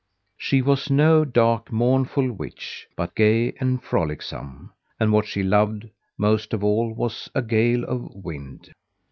She was no dark, mournful witch, but gay and frolicsome; and what she loved most of all was a gale of wind.